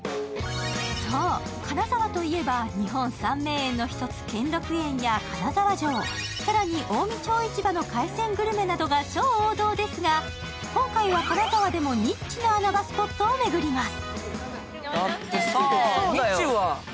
そう、金沢といえば日本三名園の一つ、兼六園や金沢城、更に近江町市場の海鮮グルメなどが超王道ですが、今回は金沢でもニッチな穴場スポットを巡ります。